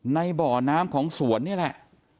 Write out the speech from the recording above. ในบ่อน้ำของสวนนี่แหละ